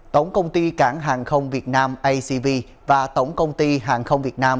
tổng công ty cảng hàng không việt nam acv và tổng công ty hàng không việt nam